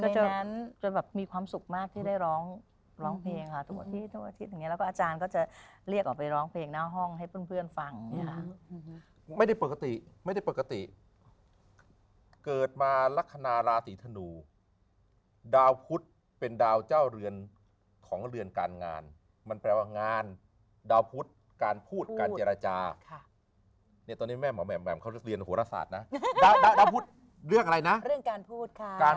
แต่เด็กตั้งแต่เด็กตั้งแต่เด็กตั้งแต่เด็กตั้งแต่เด็กตั้งแต่เด็กตั้งแต่เด็กตั้งแต่เด็กตั้งแต่เด็กตั้งแต่เด็กตั้งแต่เด็กตั้งแต่เด็กตั้งแต่เด็กตั้งแต่เด็กตั้งแต่เด็กตั้งแต่เด็กตั้งแต่เด็กตั้งแต่เด็กตั้งแต่เด็กตั้งแต่เด็กตั้งแต่เด็กตั้งแต่เด็กตั้งแต